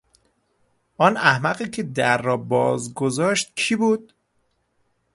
آن احمقی که در را بازگذاشت کی بود؟